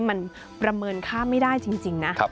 มันประเมินค่าไม่ได้จริงนะ